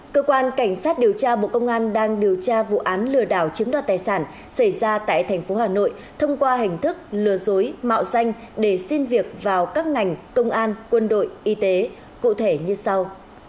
cơ quan cảnh sát điều tra bộ công an đang điều tra vụ án lừa đảo chiếm đoạt tài sản xảy ra tại thành phố hà nội thông qua hình thức lừa dối mạo danh để xin việc vào các ngành công an quân đội y tế cụ thể như sau